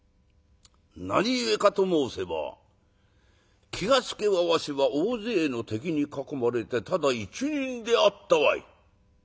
「何故かと申せば気が付けばわしは大勢の敵に囲まれてただ一人であったわい。